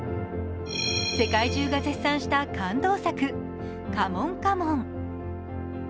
世界中が絶賛した感動作「カモンカモン」。